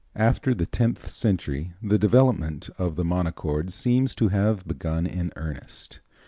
After the tenth century the development of the monochord seems to have begun in earnest.